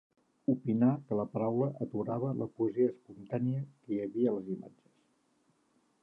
Opinà que la paraula aturava la poesia espontània que hi havia a les imatges.